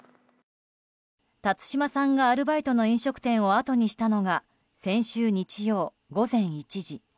辰島さんがアルバイトの飲食店をあとにしたのが先週日曜、午前１時。